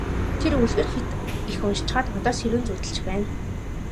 Тэр үлгэр хэт их уншчихаад одоо сэрүүн зүүдэлж байна.